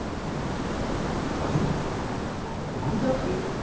あれこれだけ？